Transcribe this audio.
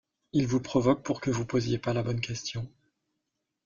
il vous provoque pour que vous posiez pas la bonne question.